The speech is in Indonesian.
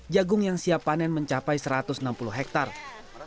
jagung yang siap panen mencapai satu ratus enam puluh hektare